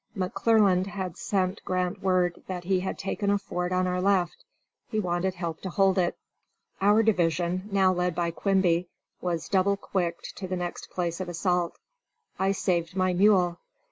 McClernand had sent Grant word that he had taken a fort on our left. He wanted help to hold it. Our division, now led by Quimby, was double quicked to the next place of assault. I saved my mule.